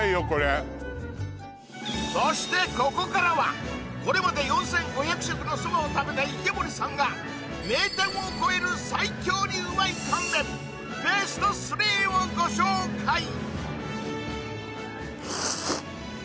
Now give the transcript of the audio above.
これそしてここからはこれまで４５００食の蕎麦を食べた池森さんが名店を超える最強にうまい乾麺ベスト３をご紹介！